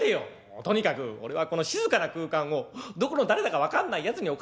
「もうとにかく俺はこの静かな空間をどこの誰だか分かんないやつに侵されたくないんだよ！」。